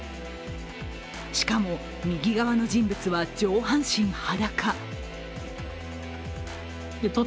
しかも右側の人物は上半身裸。